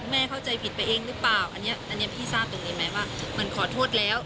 เข้าใจผิดไปเองหรือเปล่าอันนี้อันนี้พี่ทราบตรงนี้ไหมว่ามันขอโทษแล้ว